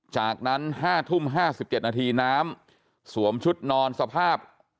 จากนั้นห้าทุ่มห้าสิบเจ็ดนาทีน้ำสวมชุดนอนสภาพ